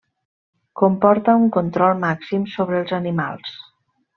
Comporta un control màxim sobre els animals.